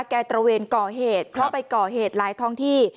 ตระเวนก่อเหตุเพราะไปก่อเหตุหลายท้องที่